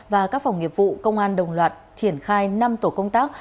và các phòng nghiệp vụ công an đồng loạt triển khai năm tổ công tác